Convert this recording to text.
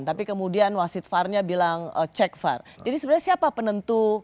tapi kemudian wasit varnya bilang cek var jadi sebenarnya siapa penentu